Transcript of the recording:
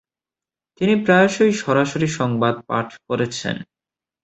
তিনি প্রায়শই সরাসরি সংবাদ পাঠ করেছেন।